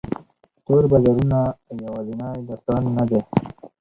تور بازارونه یوازینی داستان نه دی.